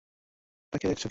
তাকিয়ে দেখছো কী?